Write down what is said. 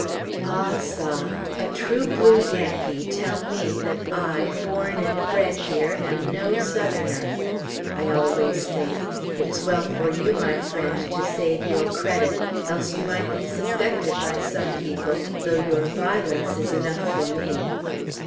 Ah ça! a true blue Yankee tell me that I, born and bred here, am no Southerner! I always think, "It is well for you, my friend, to save your credit, else you might be suspected by some people, though your violence is enough for me."